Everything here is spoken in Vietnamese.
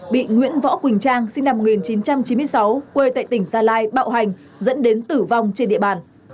bị nguyễn võ quỳnh trang sinh năm một nghìn chín trăm chín mươi sáu quê tại tỉnh gia lai bạo hành dẫn đến tử vong trên địa bàn